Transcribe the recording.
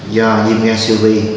do diêm ngang siêu vi